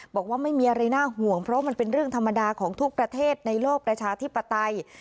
บอกว่าไม่มีอะไรน่าห่วงเพราะมันเป็นเรื่องธรรมดาของทุกประเทศในโลกประชาธิปไตย